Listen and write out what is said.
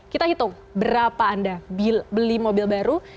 kita hitung berapa anda beli mobil baru